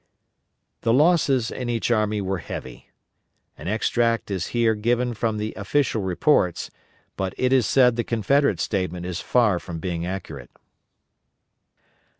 The losses in each army were heavy. An extract is here given from the official reports, but it is said the Confederate statement is far from being accurate.